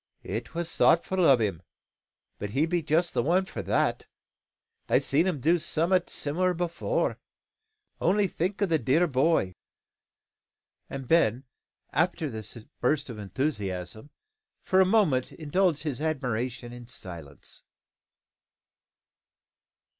It was thoughtful o' him; but he be just the one for that. I've seed him do some'at similar afore. Only think o' the dear boy!" And Ben, after this burst of enthusiasm, for a moment indulged his admiration in silence.